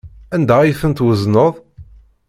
Anda ay tent-twezneḍ?